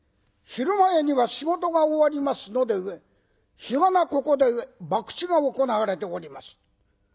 昼前には仕事が終わりますので日がなここでばくちが行われております。